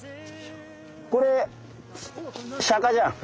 これシャカじゃん。